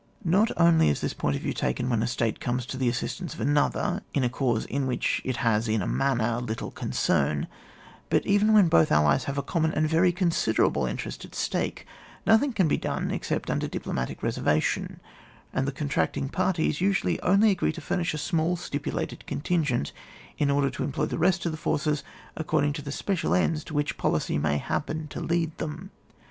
Not only is this the point of view taken when a State comes to the assistance of another in a cause in which it has in a manner, little concern, but even when both allies have a common and very considerable interest at stake, nothing can be done except under diplomatic reservation, and the contracting parties usually only agree to Aimish a small stipulated contingent, in order to employ the rest of the forces according to the special ends to which policy may happen to lead them.